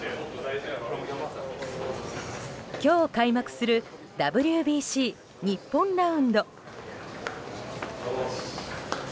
今日開幕するＷＢＣ日本ラウンド。